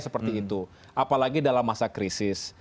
seperti itu apalagi dalam masa krisis